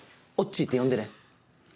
「おっちー」って呼んでね。